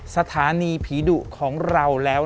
สถานีผีดุของเราแล้ว